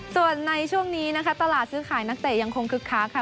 ส่วนในช่วงนี้นะคะตลาดซื้อขายนักเตะยังคงคึกคักค่ะ